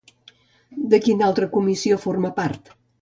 De quina altra comissió forma part?